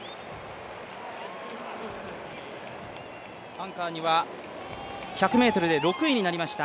アンカーには１００ｍで６位になりました